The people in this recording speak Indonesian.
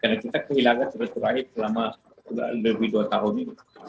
karena kita kehilangan sholat urahim selama lebih dua tahun ini